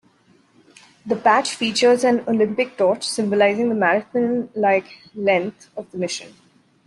The patch features an Olympic torch, symbolizing the marathon-like length of the mission.